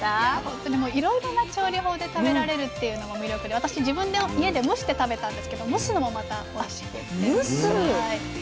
本当にいろいろな調理法で食べられるっていうのも魅力で私自分の家で蒸して食べたんですけど蒸すのもまたおいしいですね。